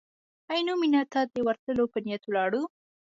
عینو مېنې ته د ورتلو په نیت ولاړو.